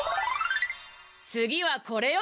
つぎはこれよ！